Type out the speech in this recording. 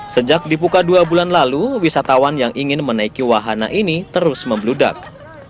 sejak dibuka dua bulan lalu wisatawan yang ingin menaiki wahana ini terus membludak